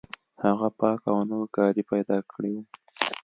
هغه پاک او نوي کالي پیدا کړي وو